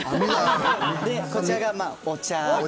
で、こちらがお茶。